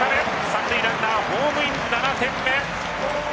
三塁ランナー、ホームイン７点目！